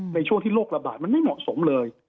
ในช่วงที่โรคระบาดมันไม่เหมาะสมเลย